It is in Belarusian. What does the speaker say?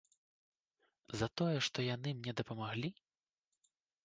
За тое, што яны мне дапамаглі?